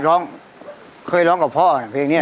ร้องเคยร้องกับพ่อนะเพลงนี้